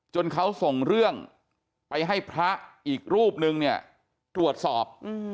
เขาส่งเรื่องไปให้พระอีกรูปนึงเนี่ยตรวจสอบ